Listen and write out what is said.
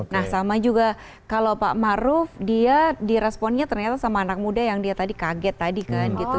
nah sama juga kalau pak maruf dia diresponnya ternyata sama anak muda yang dia tadi kaget tadi kan gitu